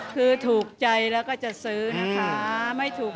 คือถูกใจแล้วก็จะซื้อนะคะไม่ถูก